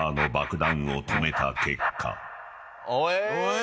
え！